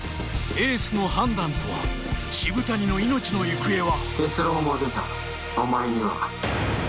エースの判断とは渋谷の命の行方は？